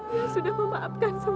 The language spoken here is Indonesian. dia sudah memaafkan semua orang